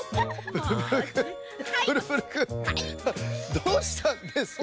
どうしたんですか？